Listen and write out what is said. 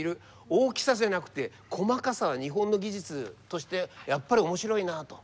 大きさじゃなくて細かさは日本の技術としてやっぱり面白いなと。